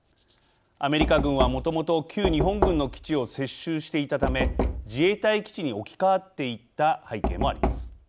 アメリカ軍はもともと旧日本軍の基地を接収していたため自衛隊基地に置き換わっていった背景もあります。